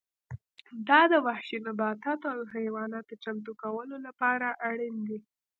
دا د وحشي نباتاتو او حیواناتو چمتو کولو لپاره اړین دي